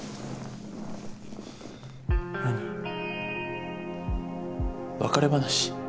何別れ話？